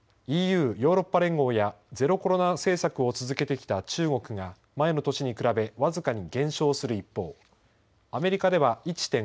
また、主要な国の排出ではＥＵ＝ヨーロッパ連合やゼロコロナ政策を続けてきた中国が前の年に比べ僅かに減少する一方アメリカでは１．５％